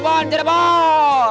gak ada telepon